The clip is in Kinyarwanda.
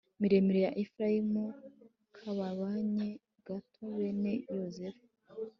Miremire ya Efurayimu kababanye gato Bene Yozefu